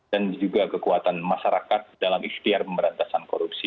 dan juga kekuatan masyarakat dalam istiar pemberantasan korupsi